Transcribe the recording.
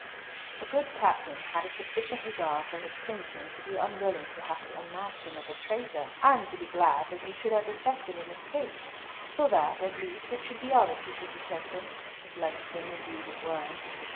The good captain had a sufficient regard for his kinsman to be unwilling to have to unmask him as a traitor, and to be glad that he should have effected an escape, so that, at least, it should be others who should detect him—if Langston indeed it were.